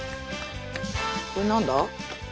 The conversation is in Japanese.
これ何だ？